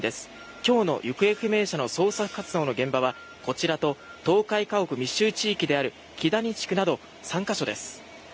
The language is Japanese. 今日の行方不明者の捜索活動の現場はこちらと倒壊家屋密集地域である岸谷地区など３か所です。